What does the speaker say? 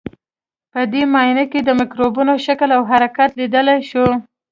په دې معاینه کې د مکروبونو شکل او حرکت لیدلای شو.